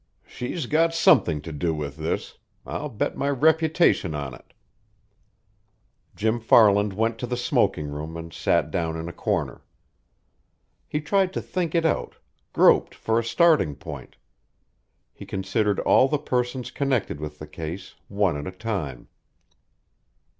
"She's got something to do with this. I'll bet my reputation on it." Jim Farland went to the smoking room and sat down in a corner. He tried to think it out, groped for a starting point. He considered all the persons connected with the case, one at a time.